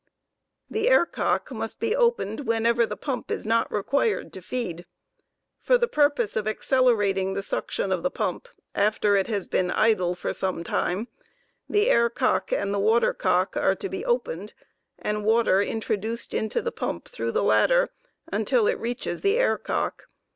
The air cock 38 must be opened whenever the pump is not required to feed. For the purpose of accelerating the suction of the pump, after it has been idle for some time, the air cock and the water cock are to be opened and water introduced into the pump through the latter until it reaches the air cock.